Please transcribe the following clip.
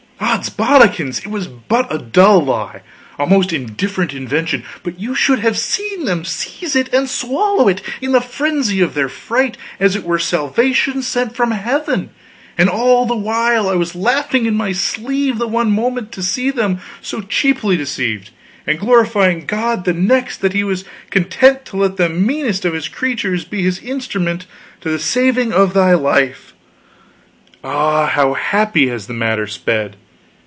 Odsbodikins, it was but a dull lie, a most indifferent invention, but you should have seen them seize it and swallow it, in the frenzy of their fright, as it were salvation sent from heaven; and all the while was I laughing in my sleeve the one moment, to see them so cheaply deceived, and glorifying God the next, that He was content to let the meanest of His creatures be His instrument to the saving of thy life. Ah how happy has the matter sped!